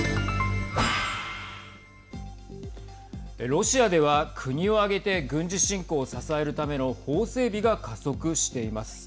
ロシアでは国を挙げて軍事侵攻を支えるための法整備が加速しています。